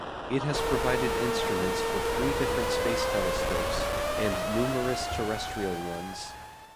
It has provided instruments for three different space telescopes and numerous terrestrial ones.